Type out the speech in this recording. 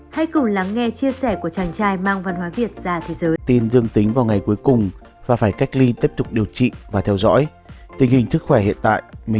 hãy cùng lắng nghe chia sẻ của chàng trai mang văn hóa việt ra thế giới